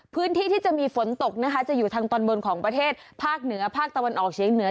พื้นที่ที่จะมีฝนตกนะคะจะอยู่ทางตอนบนของประเทศภาคเหนือภาคตะวันออกเฉียงเหนือ